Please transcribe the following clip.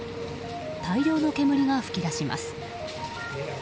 大量の煙が噴き出します。